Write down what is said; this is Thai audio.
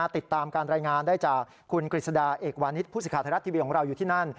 ติดตามการรายงานได้จากคุณกฤษฎาเอกวานิสผู้สิทธิ์ไทยรัฐทีวีของเราอยู่ที่นั่น